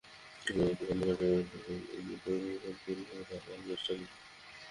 আমরা কিন্তু গানের পাশাপাশি ভিজ্যুয়ালি গানের প্রেক্ষাপটও তুলে ধরার চেষ্টা করি।